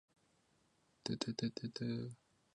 长蒴圆叶报春为报春花科报春花属下的一个种。